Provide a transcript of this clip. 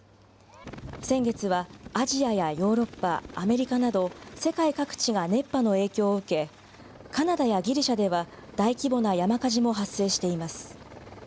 先月はアジアやヨーロッパ、アメリカなど、世界各地が熱波の影響を受け、カナダやギリシャでは、大規模な山火事も発生しています。